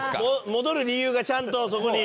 戻る理由がちゃんとそこに。